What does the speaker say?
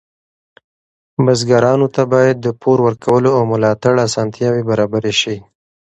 بزګرانو ته باید د پور ورکولو او ملاتړ اسانتیاوې برابرې شي.